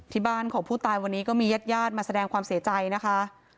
ที่บ้านของผู้ตายวันนี้ก็มีญาติญาติมาแสดงความเสียใจนะคะ